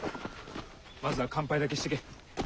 まずは乾杯だけしてけ。